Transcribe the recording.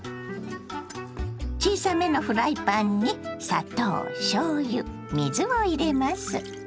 小さめのフライパンに砂糖しょうゆ水を入れます。